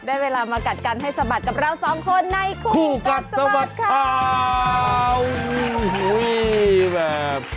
ได้เวลามากัดกันให้สะบัดกับเรา๒คนในคู่กัดสะบัดครับ